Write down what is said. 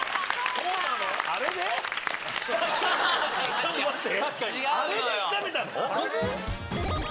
ちょっと待って。